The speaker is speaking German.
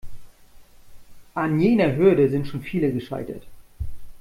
An jener Hürde sind schon viele gescheitert.